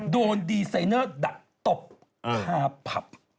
โดนดีไซเนอร์ดักตบคาผับ